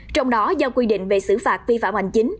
trong đó do quy định về xử phạt vi phạm hành chính